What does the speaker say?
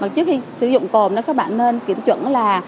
trước khi sử dụng cồn đó các bạn nên kiểm chuẩn là